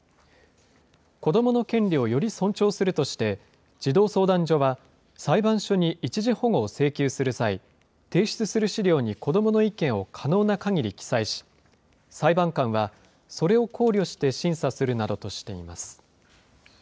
子どもの権利をより尊重するとして、児童相談所は裁判所に一時保護を請求する際、提出する資料に子どもの意見を可能なかぎり記載し、裁判官はそれを考慮して審査するなどとしています。